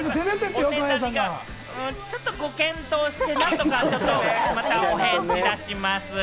ちょっとご検討して、何とかまたお返事だします。